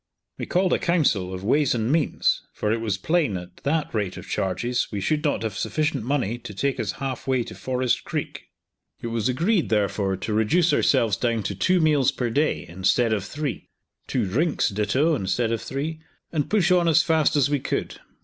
We called a council of ways and means, for it was plain at that rate of charges we should not have sufficient money to take us half way to Forest Creek. It was agreed, therefore, to reduce ourselves down to two meals per day, instead of three; two drinks, ditto, instead of three; and push on as fast as we could.